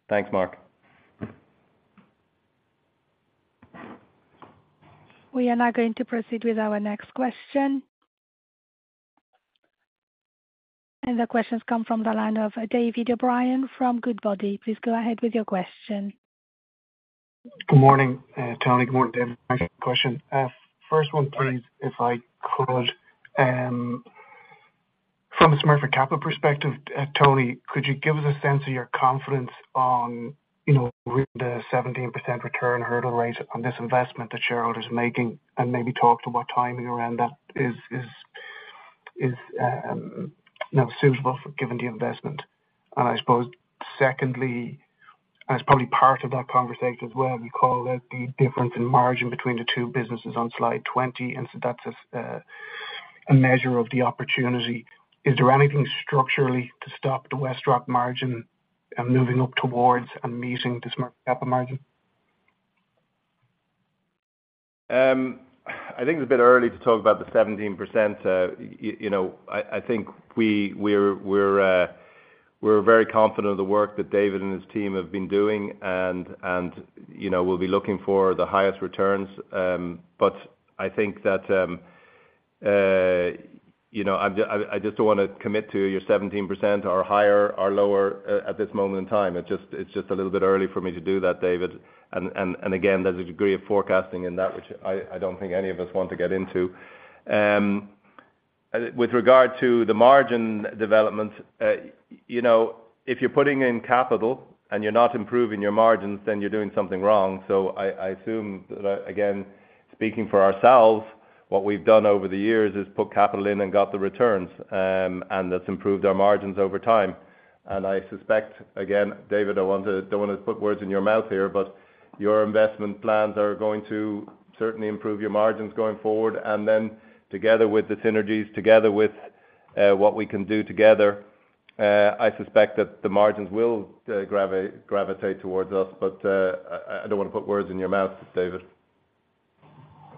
Thanks, Mark. We are now going to proceed with our next question. The question's come from the line of David O'Brien from Goodbody. Please go ahead with your question. Good morning, Tony. Good morning, David. Thanks for the question. First one, please, if I could. From a Smurfit Kappa perspective, Tony, could you give us a sense of your confidence on, you know, with the 17% return hurdle rate on this investment that shareholders making, and maybe talk to what timing around that is, you know, suitable for giving the investment? And I suppose secondly, and it's probably part of that conversation as well, you called out the difference in margin between the two businesses on slide 20, and so that's a measure of the opportunity. Is there anything structurally to stop the WestRock margin from moving up towards and meeting this margin, Kappa margin? I think it's a bit early to talk about the 17%. You know, I think we're very confident of the work that David and his team have been doing, and, you know, we'll be looking for the highest returns. But I think that, you know, I just don't wanna commit to your 17% or higher or lower at this moment in time. It's just, it's just a little bit early for me to do that, David. And again, there's a degree of forecasting in that, which I don't think any of us want to get into. With regard to the margin development, you know, if you're putting in capital and you're not improving your margins, then you're doing something wrong. So I assume that, again, speaking for ourselves, what we've done over the years is put capital in and got the returns. And that's improved our margins over time. I suspect, again, David, I don't want to put words in your mouth here, but your investment plans are going to certainly improve your margins going forward. And then together with the synergies, together with what we can do together, I suspect that the margins will gravitate towards us. But I don't wanna put words in your mouth, David.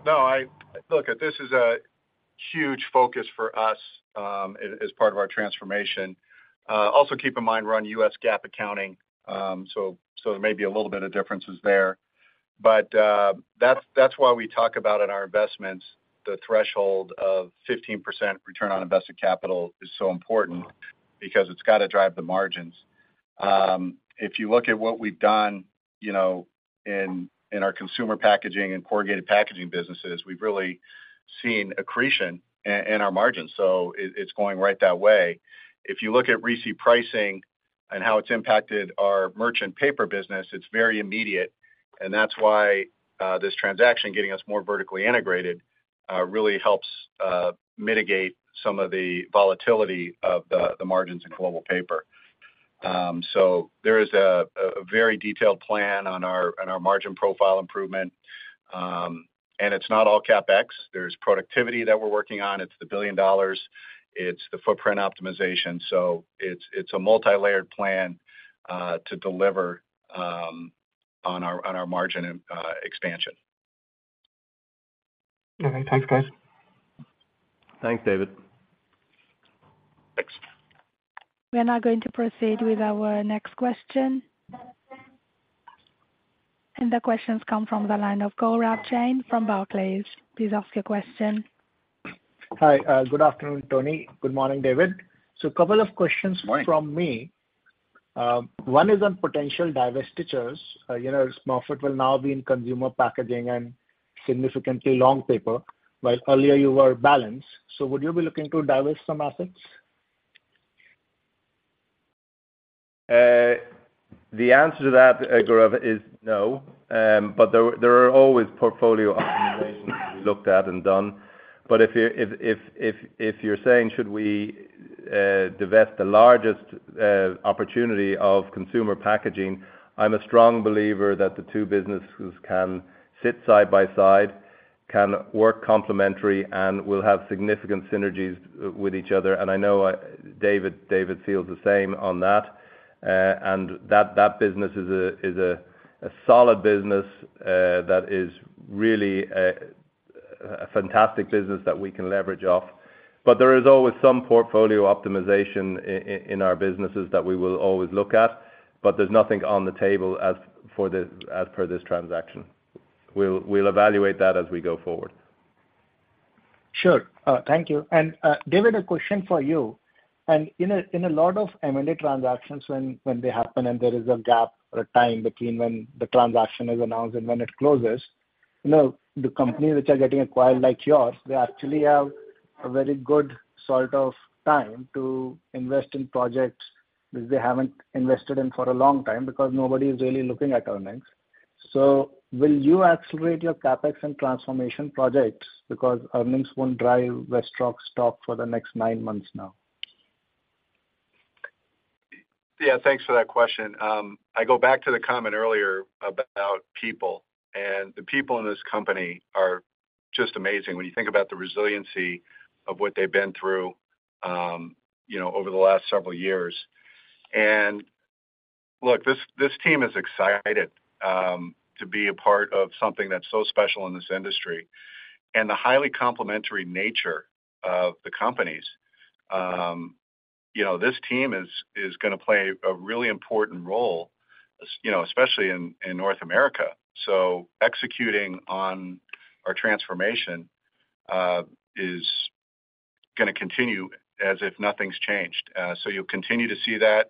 No, look, this is a huge focus for us, as part of our transformation. Also keep in mind, we're on US GAAP accounting, so there may be a little bit of differences there. That's why we talk about in our investments, the threshold of 15% return on invested capital is so important, because it's gotta drive the margins. If you look at what we've done, you know, in our consumer packaging and corrugated packaging businesses, we've really seen accretion in our margins, so it's going right that way. If you look at recycle pricing and how it's impacted our merchant paper business, it's very immediate. And that's why this transaction, getting us more vertically integrated, really helps mitigate some of the volatility of the margins in global paper. So there is a very detailed plan on our margin profile improvement. And it's not all CapEx. There's productivity that we're working on. It's the $1 billion, it's the footprint optimization. So it's a multilayered plan to deliver on our margin and expansion. Okay. Thanks, guys. Thanks, David. Thanks. We're now going to proceed with our next question. The questions come from the line of Gaurav Jain from Barclays. Please ask your question. Hi, good afternoon, Tony. Good morning, David. A couple of questions- Good morning. -from me. One is on potential divestitures. You know, Smurfit will now be in consumer packaging and significantly long paper, while earlier you were balanced. So would you be looking to divest some assets? The answer to that, Gaurav, is no. But there are always portfolio optimizations looked at and done. But if you're saying, should we divest the largest opportunity of consumer packaging, I'm a strong believer that the two businesses can sit side by side, can work complementary, and will have significant synergies with each other. And I know David feels the same on that. And that business is a solid business that is really a fantastic business that we can leverage off. But there is always some portfolio optimization in our businesses that we will always look at, but there's nothing on the table as for this, as per this transaction. We'll evaluate that as we go forward. Sure. Thank you. And, David, a question for you. And in a lot of M&A transactions, when they happen and there is a gap or a time between when the transaction is announced and when it closes, you know, the companies which are getting acquired, like yours, they actually have a very good sort of time to invest in projects which they haven't invested in for a long time, because nobody is really looking at earnings. So will you accelerate your CapEx and transformation projects because earnings won't drive WestRock's stock for the next nine months now? Yeah, thanks for that question. I go back to the comment earlier about people, and the people in this company are just amazing when you think about the resiliency of what they've been through, you know, over the last several years. And look, this team is excited to be a part of something that's so special in this industry. And the highly complementary nature of the companies, you know, this team is gonna play a really important role, you know, especially in North America. So executing on our transformation is gonna continue as if nothing's changed. So you'll continue to see that.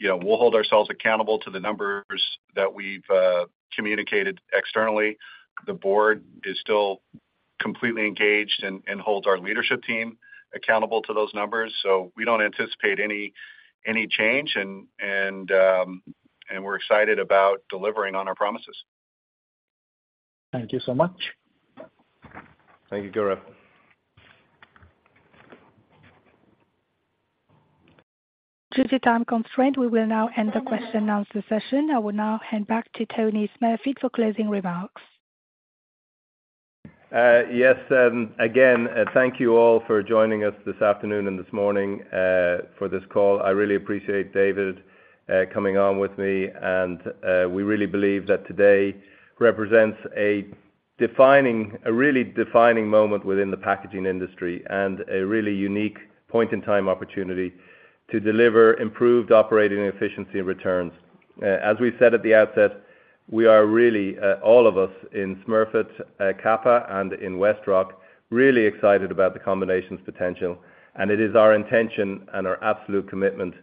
You know, we'll hold ourselves accountable to the numbers that we've communicated externally. The board is still completely engaged and holds our leadership team accountable to those numbers, so we don't anticipate any change. And we're excited about delivering on our promises. Thank you so much. Thank you, Gaurav. Due to time constraint, we will now end the question and answer session. I will now hand back to Tony Smurfit for closing remarks. Yes, again, thank you all for joining us this afternoon and this morning for this call. I really appreciate David coming on with me, and we really believe that today represents a defining, a really defining moment within the packaging industry, and a really unique point-in-time opportunity to deliver improved operating efficiency and returns. As we said at the outset, we are really all of us in Smurfit Kappa and in WestRock, really excited about the combination's potential, and it is our intention and our absolute commitment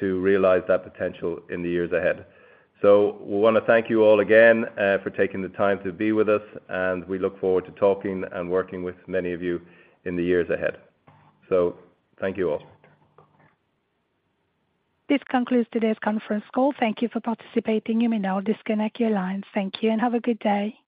to realize that potential in the years ahead. So we wanna thank you all again for taking the time to be with us, and we look forward to talking and working with many of you in the years ahead. So thank you all. This concludes today's conference call. Thank you for participating. You may now disconnect your lines. Thank you, and have a good day.